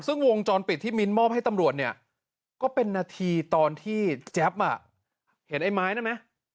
ซึ่งวงจรปิดที่มิ้นมอบให้ตำรวจเนี่ยก็เป็นนาทีตอนที่แจ๊บเห็นไอ้ไม้นั่นไหม